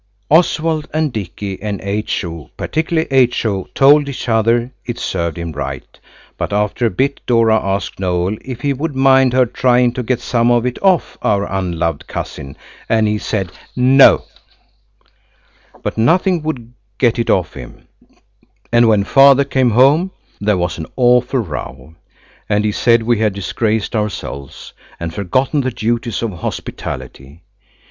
Oswald and Dicky and H.O.–particularly H.O.–told each other it served him right, but after a bit Dora asked Noël if he would mind her trying to get some of it off our unloved cousin, and he said "No." WHEN FATHER CAME HOME THERE WAS AN AWFUL ROW. But nothing would get it off him; and when Father came home there was an awful row. And he said we had disgraced ourselves and forgotten the duties of hospitality.